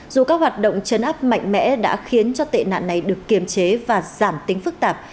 dù các hoạt động chấn áp mạnh mẽ đã khiến cho tệ nạn này được kiềm chế và giảm tính phức tạp